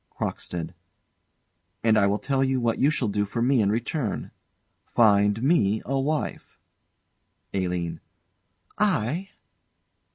CROCKSTEAD. And I will tell you what you shall do for me in return. Find me a wife! ALINE. I?